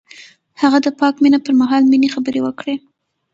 هغه د پاک مینه پر مهال د مینې خبرې وکړې.